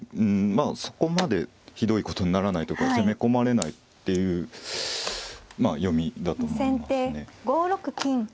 まあそこまでひどいことにならないとか攻め込まれないっていう読みだと思いますね。